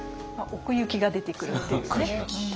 奥行きが出てくるっていうね。